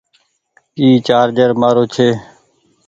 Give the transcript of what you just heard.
اي چآرجر مآرو ڇي ۔